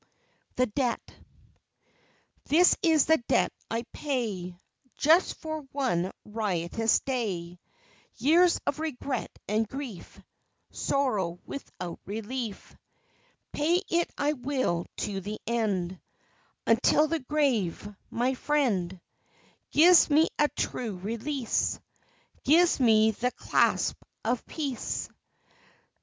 THE DEBT This is the debt I pay Just for one riotous day, Years of regret and grief. Sorrow without relief. Pay it I will to the end Until the grave, my friend, Gives me a true release Gives me the clasp of peace.